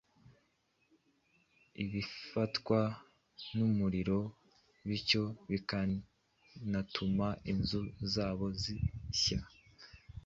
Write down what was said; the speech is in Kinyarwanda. bifatwa n’umuriro bityo bikanatuma inzu nazo zishya